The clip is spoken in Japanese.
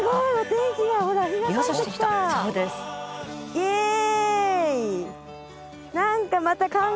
イエーイ！